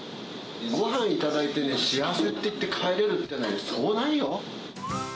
ごはん頂いてね、幸せって言って帰れるってのは、そうないよ。